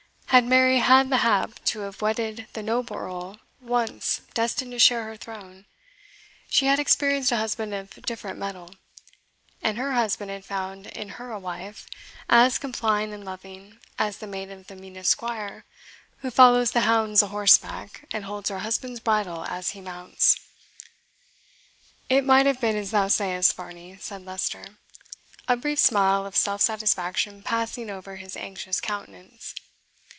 Had Mary had the hap to have wedded the noble Earl ONCE destined to share her throne, she had experienced a husband of different metal; and her husband had found in her a wife as complying and loving as the mate of the meanest squire who follows the hounds a horseback, and holds her husband's bridle as he mounts." "It might have been as thou sayest, Varney," said Leicester, a brief smile of self satisfaction passing over his anxious countenance.